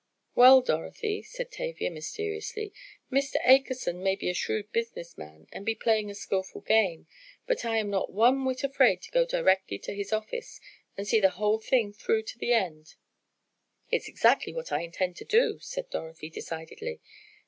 "Well Dorothy," said Tavia, mysteriously, "Mr. Akerson may be a shrewd business man, and be playing a skillful game, but I am not one whit afraid to go directly to his office, and see the whole thing through to the end!" "It's exactly what I intend to do," said Dorothy, decidedly.